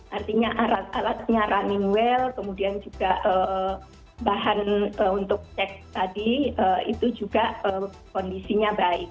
artinya alat alatnya running well kemudian juga bahan untuk cek tadi itu juga kondisinya baik